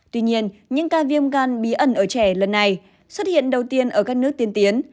tuy nhiên những ca viêm gan bí ẩn ở trẻ lần này xuất hiện đầu tiên ở các nước tiên tiến